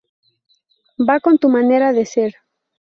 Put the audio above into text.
Va con tu manera de ser.